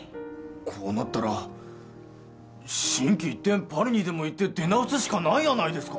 こうなったら心機一転パリにでも行って出直すしかないやないですか